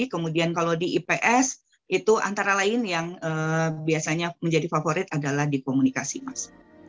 kemudian kalau di ips itu antara lain yang biasanya menjadi favorit adalah di komunikasi mas